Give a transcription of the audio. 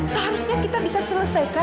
seharusnya kita bisa selesaikan